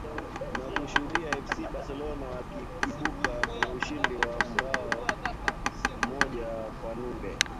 na kushuhudia fc barcelona wakiibuka na ushindi wa bao moja kwa nunge